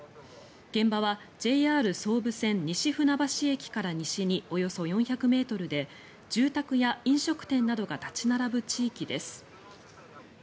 現場はＪＲ総武線西船橋駅から西におよそ４００ｍで住宅や飲食店などが立ち並ぶ地域です。